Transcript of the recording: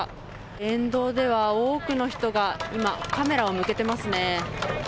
沿道では多くの人が今、カメラを向けてますね。